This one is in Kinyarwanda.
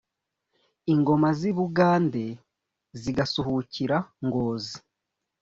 ingoma z'i bugenda zigasuhukira ngozi,